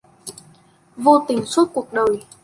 Vô tình suốt cuộc đời